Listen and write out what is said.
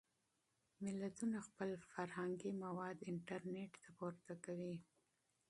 ملتونه خپل فرهنګي مواد انټرنټ ته پورته کوي.